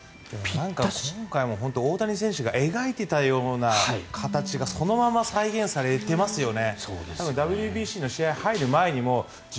今回大谷選手が描いていたような形がそのまま再現されていますよね。